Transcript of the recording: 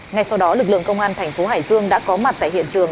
ngay sau đó lực lượng công an thành phố hải dương đã có mặt tại hiện trường